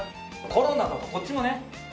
コロナのこっちもね。